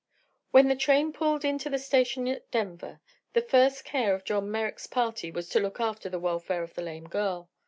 When the train pulled into the station at Denver the first care of John Merrick's party was to look after the welfare of the lame girl.